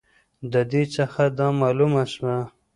د دې څخه دا معلومه سوه